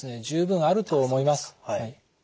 十分あると思います。